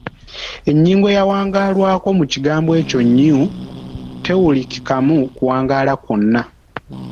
Ennyingo eyawangaalwako mu kigambo ekyo ‘nyuu’ tewulikikamu kuwangaala kwonna.